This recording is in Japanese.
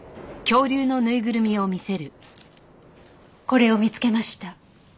これを見つけました。